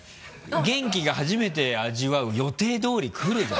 元気が初めて味わう予定通り来るぞ。